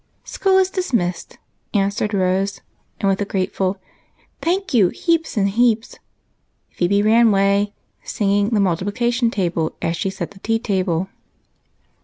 " School is dismissed," answered Rose, and with a grateful " Thank you, heaps and heaps !" Phebe ran away singing the multijDlication table as she set the tea ditto.